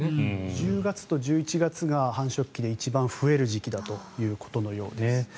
１０月と１１月が一番繁殖期で一番増える時期だということのようです。